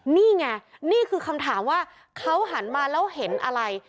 นี่ไงนี่คือคำถามว่าเขาหันมาแล้วเห็นอะไร